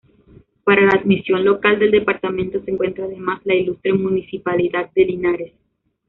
Para la administración local del departamento se encuentra, además, la Ilustre Municipalidad de Linares.